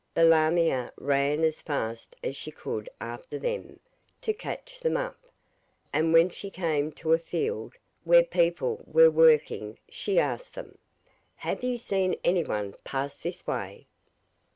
The lamia ran as fast as she could after them, to catch them up, and when she came to a field where people were working she asked them: 'Have you seen anyone pass this way?